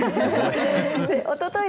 おととい